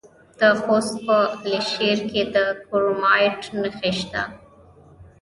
د خوست په علي شیر کې د کرومایټ نښې شته.